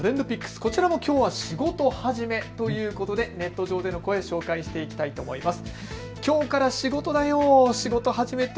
こちらもきょうは仕事始めということでネット上での声を紹介していきたいと思います。